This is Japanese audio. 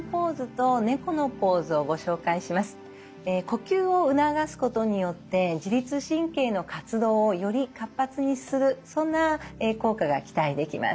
呼吸を促すことによって自律神経の活動をより活発にするそんな効果が期待できます。